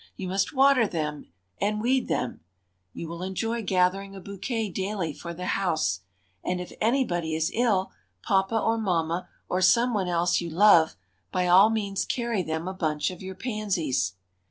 You must water them and weed them. You will enjoy gathering a bouquet daily for the house, and if anybody is ill, papa or mamma or some one else you love, by all means carry them a bunch of your pansies.